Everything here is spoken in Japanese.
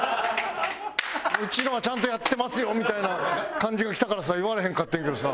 うちのはちゃんとやってますよみたいな感じがきたからさ言われへんかったけどさ。